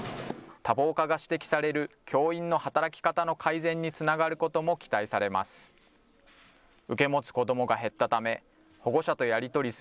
多忙化が指摘される教員の働き方の改善につながることも期待されます。